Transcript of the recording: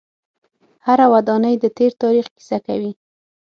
هره ودانۍ د تیر تاریخ کیسه کوي.